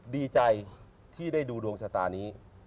ดีใจที่ได้ดูดวงชะตานี้